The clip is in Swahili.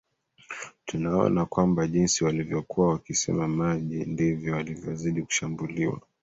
tunaona kwamba jinsi walivyokuwa wakisema maji ndivyo walivyozidi kushambuliwa